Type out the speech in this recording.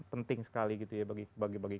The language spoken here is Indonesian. penting sekali bagi